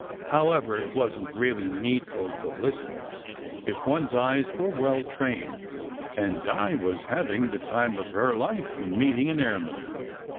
However, it wasn t really needful to listen, if one s eyes were well trained; and Di was having the "time of her life" in meeting an airman.